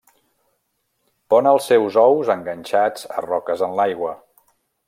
Pon els seus ous enganxats a roques en l'aigua.